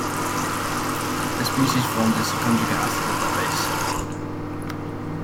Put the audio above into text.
The species formed is the conjugate acid of that base.